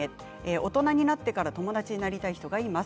大人になってから友達になりたい人がいます。